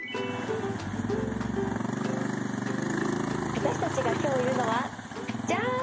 私たちが今日いるのはじゃん！